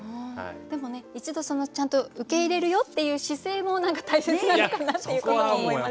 でもね一度ちゃんと受け入れるよっていう姿勢も何か大切なのかなっていうことを思いました。